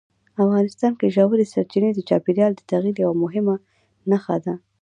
افغانستان کې ژورې سرچینې د چاپېریال د تغیر یوه مهمه نښه ده.